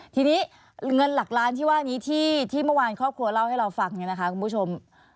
ทีนี้เงินหลักล้านที่ว่านี้ที่เมื่อวานครอบครัวเล่าให้เราฟังเนี่ยนะคะคุณผู้ชม